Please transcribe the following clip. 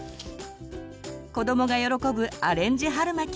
子どもが喜ぶアレンジ春巻。